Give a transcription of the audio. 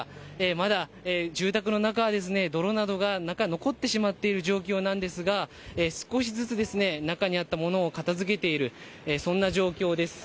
まだ住宅の中は泥などが残ってしまっている状況なんですが少しずつ中にあったものを片付けているそんな状況です。